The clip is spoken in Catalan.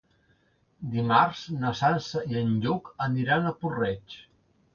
Dimarts na Sança i en Lluc aniran a Puig-reig.